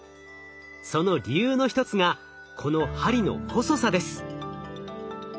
その理由の一つがこの針の細さです。